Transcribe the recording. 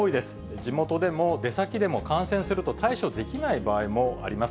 地元でも出先でも、感染すると対処できない場合もあります。